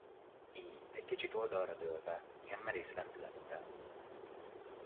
Így, egy kicsit oldalra dőlve, ilyen merész lendülettel!